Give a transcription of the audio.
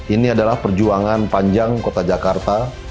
ini adalah perjuangan panjang kota jakarta